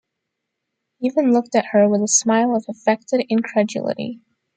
He even looked at her with a smile of affected incredulity.